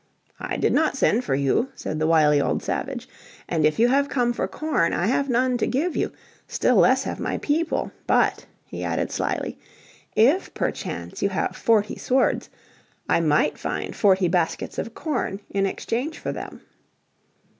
"I did not send for you," said the wily old savage, "and if you have come for corn I have none to give you, still less have my people. But," he added slyly, "if perchance you have forty swords I might find forty baskets of corn in exchange for them."